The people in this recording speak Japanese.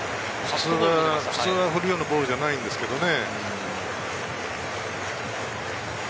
落ちるボ普通は振るようなボールじゃないんですけれどね。